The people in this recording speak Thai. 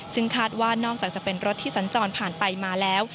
ซึ่งคาดว่านอกจากจะเป็นรถที่สัญจรผ่านไปมาแล้ว